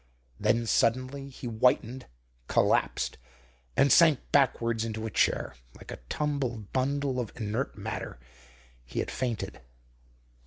Then, suddenly, he whitened, collapsed, and sank backwards into a chair, like a tumbled bundle of inert matter. He had fainted.